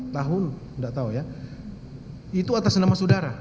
tahun tidak tahu ya itu atas nama saudara